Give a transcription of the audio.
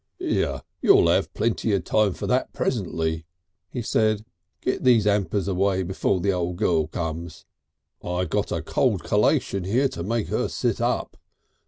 "Here! you'll 'ave plenty of time for that presently," he said, "get these hampers away before the old girl comes. I got a cold collation here to make her sit up.